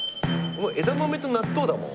枝豆と納豆だもんずっと。